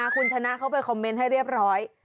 คุณชนะเขาไปคอมเมนต์ให้เรียบร้อย